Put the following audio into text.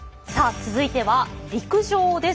続いては陸上です。